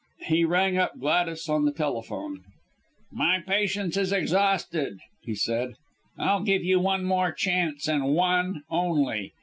He rang up Gladys on the telephone. "My patience is exhausted," he said. "I'll give you one more chance, and one only.